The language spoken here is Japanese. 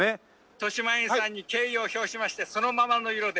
「としまえんさんに敬意を表しましてそのままの色で」